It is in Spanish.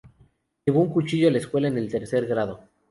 Llevó un cuchillo a la escuela en el tercer grado.